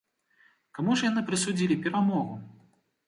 Каму ж яны прысудзілі перамогу?